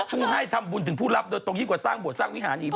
ผู้ให้ทำบุญถึงผู้รับโดยตรงยิ่งกว่าสร้างบทสร้างวิหารอีก